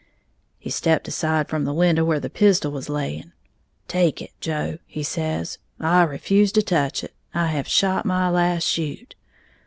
He stepped aside from the window, where the pistol was laying. 'Take it, Joe,' he says, 'I refuse to touch it; I have shot my last shoot!'